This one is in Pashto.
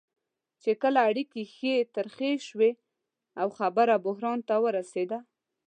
چې کله اړیکې ښې ترخې شوې او خبره بحران ته ورسېده.